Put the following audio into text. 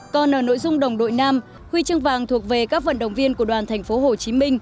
còn ở nội dung đồng đội nam huy chương vàng thuộc về các vận động viên của đoàn tp hcm